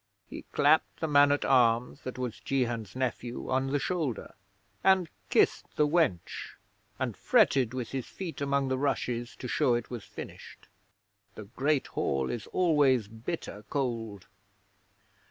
He clapped the man at arms that was Jehan's nephew on the shoulder, and kissed the wench, and fretted with his feet among the rushes to show it was finished. (The Great Hall is always bitter cold.)